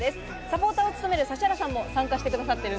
サポーターを務める指原さんも参加してくださってるんですよね。